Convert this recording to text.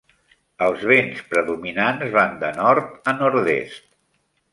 Els vents predominants van de nord a nord-est.